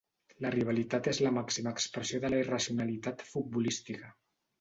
La rivalitat és la màxima expressió de la irracionalitat futbolística